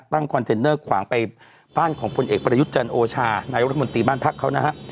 คอนเทนเนอร์ขวางไปบ้านของพลเอกประยุทธ์จันทร์โอชานายรัฐมนตรีบ้านพักเขานะฮะ